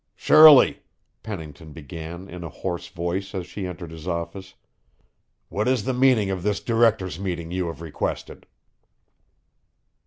"Shirley," Pennington began in a hoarse voice as she entered his office, "what is the meaning of this directors' meeting you have requested?"